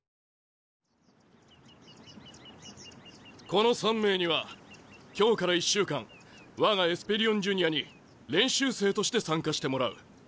この３名には今日から１週間我がエスペリオンジュニアに練習生として参加してもらう。